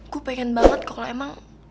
gue pengen banget kalau emang